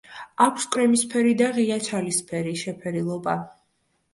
აქვს კრემისფერი და ღია ჩალისფერი შეფერილობა.